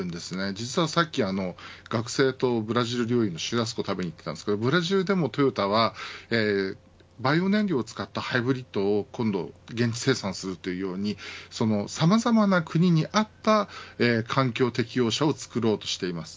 実はさっき学生とブラジル料理のシュラスコを食べに行ってたんですけどブラジルでもトヨタはバイオ燃料を使ったハイブリッドを今度現地生産するというようにさまざまな国に合った環境適用車を作ろうとしています。